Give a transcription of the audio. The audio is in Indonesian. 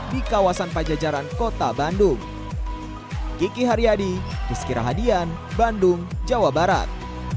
di kawasan pajajaran kota bandung kiki haryadi rizky rahadian bandung jawa barat